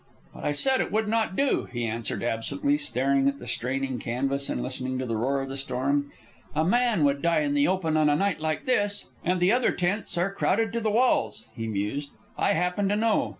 "But I said it would not do," he answered, absently, staring at the straining canvas and listening to the roar of the storm. "A man would die in the open on a night like this. "And the other tents are crowded to the walls," he mused. "I happen to know.